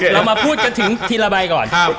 เรามาพูดกันถึงทีละใบก่อน